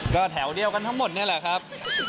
ก็แถวเดียวกันทั้งหมดนี่แหละครับ